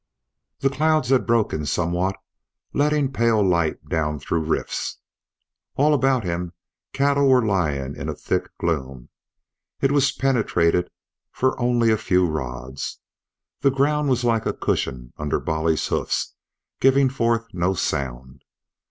The clouds had broken somewhat, letting pale light down through rifts. All about him cattle were lying in a thick gloom. It was penetrable for only a few rods. The ground was like a cushion under Bolly's hoofs, giving forth no sound.